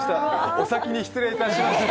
お先に失礼いたしました。